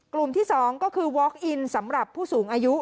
กลุ่มที่๒ก็คือวอคอินสำหรับผู้สูงอายุ